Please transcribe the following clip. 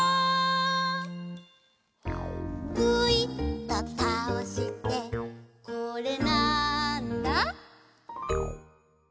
ぐいっとたおしてこれ、なんだ？